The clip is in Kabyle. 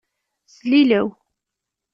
Slilew.